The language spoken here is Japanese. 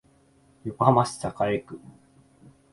横浜市栄区